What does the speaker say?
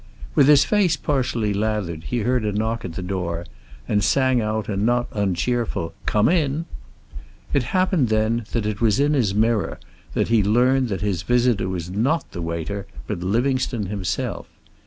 With his face partially lathered he heard a knock at the door, and sang out a not uncheerful "Come in." It happened, then, that it was in his mirror that he learned that his visitor was not the waiter, but Livingstone himself.